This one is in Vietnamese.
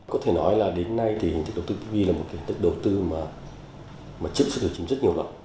có thể nói là đến nay thì hình thức đầu tư ppp là một hình thức đầu tư mà chưa sử dụng rất nhiều lần